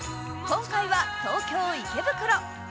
今回は東京・池袋。